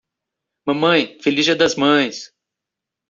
Mamãe, feliz dia das mães!